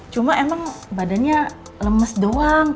cuma emang badannya lemes doang